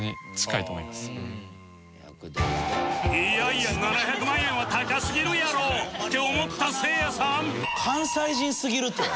いやいや７００万円は高すぎるやろ！って思ったせいやさん